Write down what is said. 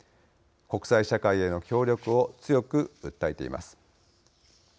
国際社会への協力を強く訴えています。